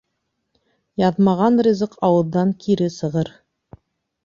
Яҙмаған ризыҡ ауыҙҙан кире сығыр.